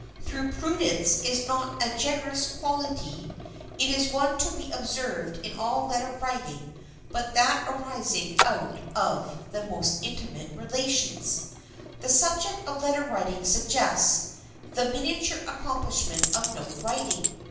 Though prudence is not a generous quality, it is one to be observed in all letter writing but that arising out of the most intimate relations. [Sidenote: THE CLEVER NOTE] The subject of letter writing suggests the miniature accomplishment of note writing.